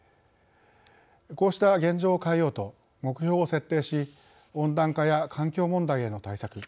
こうした現状を変えようと目標を設定し温暖化や環境問題への対策